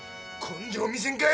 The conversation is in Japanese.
根性見せんかい！